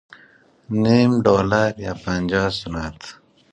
نیم دلار یا پنجاه سنت